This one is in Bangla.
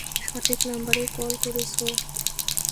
সঠিক নাম্বারেই কল করেছ।